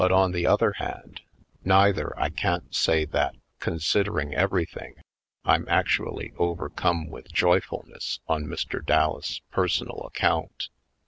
But, on the other hand, neither I can't say that, considering every thing, I'm actually overcome with joyful ness on Mr. Dallas' personal account.